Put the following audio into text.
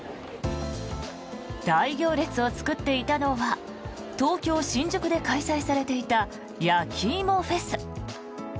大行列を作っていたのは東京・新宿で開催されていたやきいもフェス。